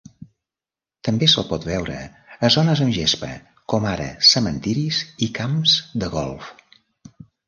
També se'l pot veure a zones amb gespa, com ara cementiris i camps de golf.